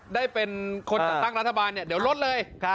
ได้เป็นคนจัดตั้งรัฐบาลเดี๋ยวลดเลย